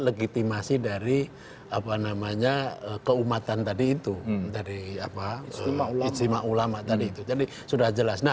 legitimasi dari apa namanya keumatan tadi itu dari apa ijtima ulama tadi itu jadi sudah jelas nah